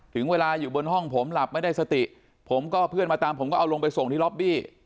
ถึงเวลาอยู่บนห้องผมหลับไม่ได้สติผมก็เพื่อนมาตามผมก็เอาลงไปส่งที่ล็อบบี้